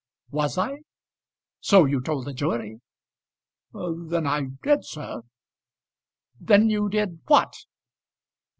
"Was I?" "So you told the jury." "Then I did, sir." "Then you did what?"